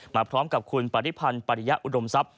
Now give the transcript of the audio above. มาพร้อมกับคุณปริพันธ์ปริยะอุดมทรัพย